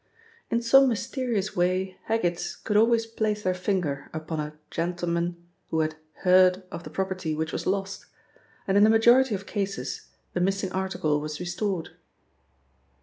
In some mysterious way Heggitts' could always place their finger upon a "gentleman" who had "heard" of the property which was lost, and, in the majority of cases, the missing article was restored.